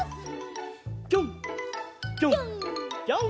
ぴょんぴょんぴょん。